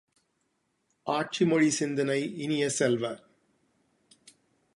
ஆட்சிமொழிச் சிந்தனை இனிய செல்வ!